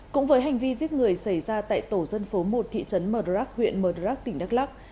cũng với hành vi giết người xảy ra tại tổ dân phố một thị trấn mờ đa rắc huyện mờ đa rắc tỉnh đắk lắk